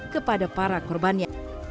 kepada para korbannya